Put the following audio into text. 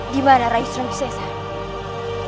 dimana rai sravisesara